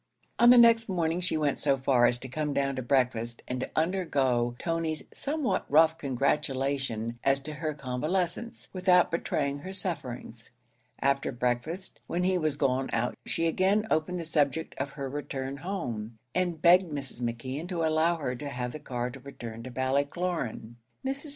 On the next morning she went so far as to come down to breakfast, and to undergo Tony's somewhat rough congratulation as to her convalescence, without betraying her sufferings. After breakfast, when he was gone out, she again opened the subject of her return home, and begged Mrs. McKeon to allow her to have the car to return to Ballycloran. Mrs.